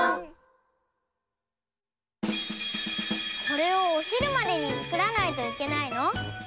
これをおひるまでにつくらないといけないの？